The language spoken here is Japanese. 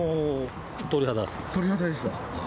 鳥肌でした？